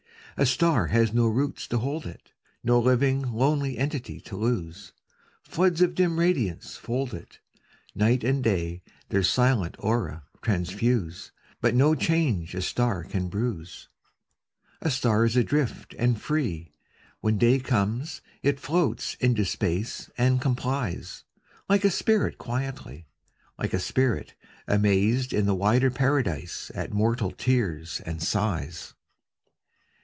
A star has do roots to hold it, No living lonely entity to lose. Floods of dim radiance fold it ; Night and day their silent aura transfuse, But no change a star oan bruise. A star is adrift and free. When day comes, it floats into space and com plies ; Like a spirit quietly, Like a spirit, amazed in a wider paradise At mortal tears and sighs.